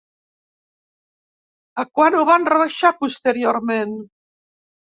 A quan ho van rebaixar posteriorment?